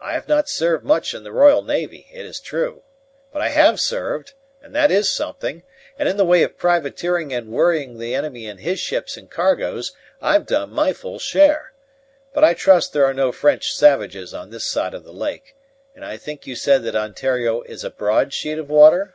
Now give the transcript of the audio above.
I have not served much in the royal navy, it is true; but I have served, and that is something; and, in the way of privateering and worrying the enemy in his ships and cargoes, I've done my full share. But I trust there are no French savages on this side the lake, and I think you said that Ontario is a broad sheet of water?"